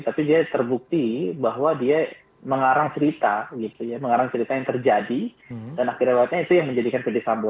tapi dia terbukti bahwa dia mengarang cerita mengarang cerita yang terjadi dan akhirnya itu yang menjadikan pedisambu